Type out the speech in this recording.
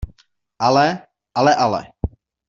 Ale, ale ale.